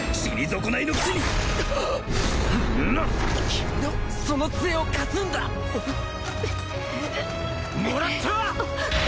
君のその杖を貸すんだ！もらった！